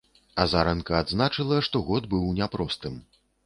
Азаранка адзначыла, што год быў няпростым.